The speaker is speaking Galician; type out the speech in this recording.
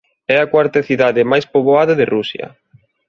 É a cuarta cidade máis poboada de Rusia.